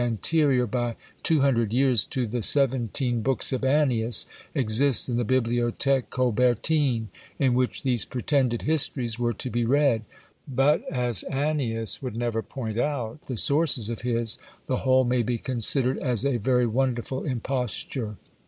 anterior by two hundred years to the seventeen books of Annius, exists in the Bibliothèque Colbertine, in which these pretended histories were to be read; but as Annius would never point out the sources of his, the whole may be considered as a very wonderful imposture.